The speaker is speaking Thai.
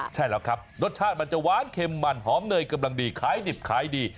ใช่แล้วครับรสชาติมันจะหวานเค็มมันหอมเนยกำลังดีขายดิบขายดี